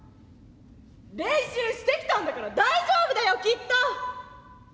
練習してきたんだから大丈夫だよきっと！